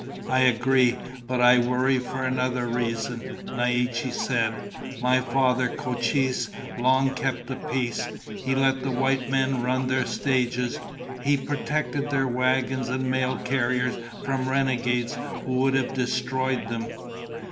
"I agree, but I worry for another reason," Naiche said. "My father, Cochise, long kept the peace. He let the white men run their stages. He protected their wagons and mail carriers from renegades who would have destroyed them.